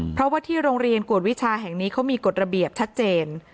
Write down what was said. เพราะว่าที่โรงเรียนกวดวิชาแห่งนี้เขามีกฎระเบียบชัดเจน